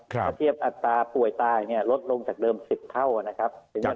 ถ้าเทียบอัตราป่วยตายลดลงจากเดิม๑๐เท่านะครับ